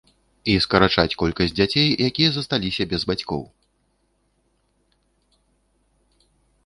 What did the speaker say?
І скарачаць колькасць дзяцей, якія засталіся без бацькоў.